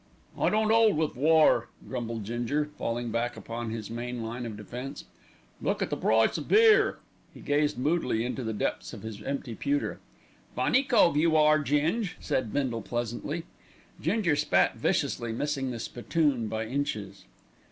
"I don't 'old wiv war," grumbled Ginger, falling back upon his main line of defence. "Look at the price of beer!" He gazed moodily into the depths of his empty pewter. "Funny cove you are, Ging," said Bindle pleasantly. Ginger spat viciously, missing the spittoon by inches.